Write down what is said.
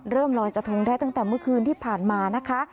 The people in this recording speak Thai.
ลอยกระทงได้ตั้งแต่เมื่อคืนที่ผ่านมานะคะ